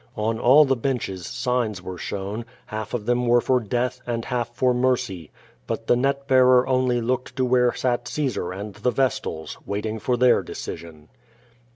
On all the benches signs were shown; half of them were for death and half for mercy. But the net bearer only looked to where sat Caesar and the vestals, wait ing for their decision.